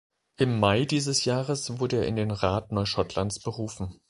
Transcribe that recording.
Im Mai dieses Jahres wurde er in den Rat Neuschottlands berufen.